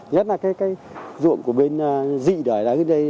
nhất là cái dụng của bên dị đời